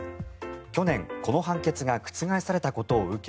去年、この判決が覆されたことを受け